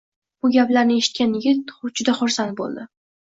Bu gaplarni eshitgan yigit juda xursand bo'ldi